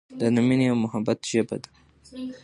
دا د مینې او محبت ژبه ده.